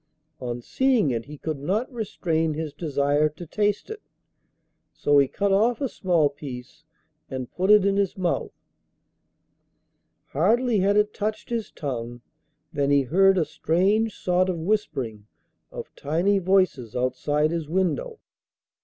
On seeing it he could not restrain his desire to taste it, so he cut off a small piece and put it in his mouth. Hardly had it touched his tongue than he heard a strange sort of whispering of tiny voices outside his window.